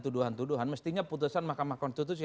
tuduhan tuduhan mestinya putusan mahkamah konstitusi